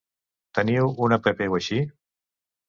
Teniu una app o així?